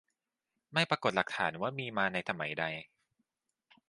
ไม่ปรากฏหลักฐานว่ามีมาในสมัยใด